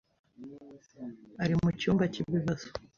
ari mucyumba cy'ibibazo.